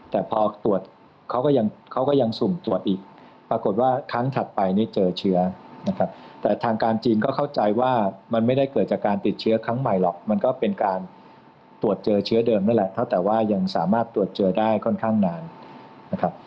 แต่พอตรวจเขาก็ยังเขาก็ยังสุ่มตรวจอีกปรากฏว่าครั้งถัดไปนี่เจอเชื้อนะครับแต่ทางการจีนก็เข้าใจว่ามันไม่ได้เกิดจากการติดเชื้อครั้งใหม่หรอกมันก็เป็นการตรวจเจอเชื้อเดิมนั่นแหละเท่าแต่ว่ายังสามารถตรวจเจอได้ค่อนข้างนานนะครับ